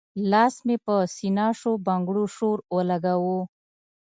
لاس مې پۀ سينه شو بنګړو شور اولګوو